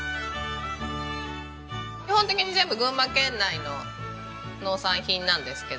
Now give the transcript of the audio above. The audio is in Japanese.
基本的に全部群馬県内の農産品なんですけど。